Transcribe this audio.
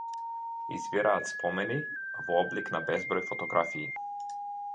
Извираат спомени, во облик на безброј фотографии.